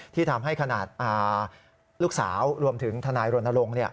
ที่ทำให้ขนาดลูกสาวรวมถึงทนายรณรงค์